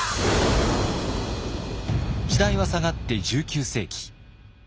時代は下がって１９世紀。